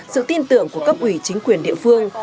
sự tin tưởng của cấp ủy chính quyền địa phương